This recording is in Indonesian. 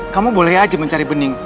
kamu boleh aja mencari bening